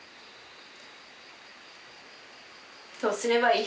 どうすればいい？